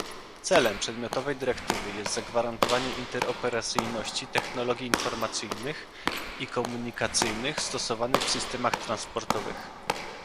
Celem przedmiotowej dyrektywy jest zagwarantowanie interoperacyjności technologii informacyjnych i komunikacyjnych stosowanych w systemach transportowych